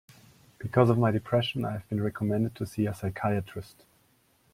Because of my depression, I have been recommended to see a psychiatrist.